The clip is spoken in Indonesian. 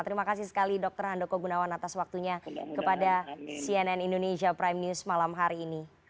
terima kasih sekali dr handoko gunawan atas waktunya kepada cnn indonesia prime news malam hari ini